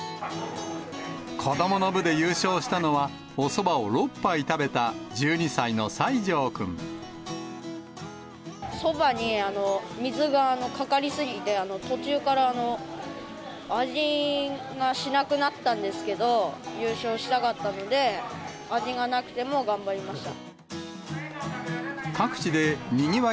子どもの部で優勝したのは、おそばを６杯食べた、そばに水がかかり過ぎて、途中から味がしなくなったんですけど、優勝したかったので、味がなくても頑張りました。